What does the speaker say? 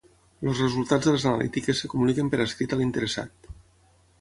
Els resultats de les analítiques es comuniquen per escrit a l'interessat.